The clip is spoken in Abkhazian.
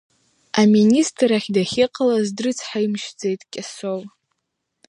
Аминистр ас дахьыҟалаз дрыцҳаимшьаӡеит Кьасоу.